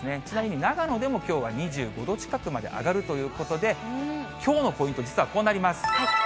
ちなみに、長野でもきょうは２５度近くまで上がるということで、きょうのポイント、実はこうなります。